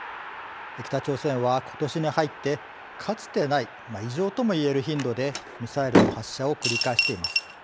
北朝鮮は、今年に入ってかつてない異常とも言える頻度でミサイルの発射を繰り返しています。